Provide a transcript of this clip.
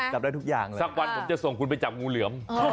สักวันผมจะส่งคุณไปจับงูเหลือม